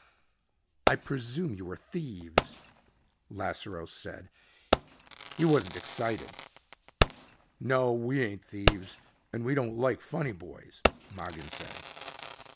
"I presume you are thieves?" Lasseroe said. He wasn't excited. "No, we ain't thieves and we don't like funny boys," Mogin said.